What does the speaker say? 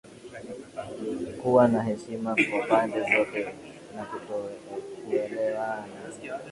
kuwa na heshima kwa pande zote na kutokuelewana